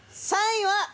第３位は。